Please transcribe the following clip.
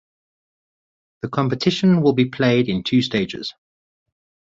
The competition will be played in two stages.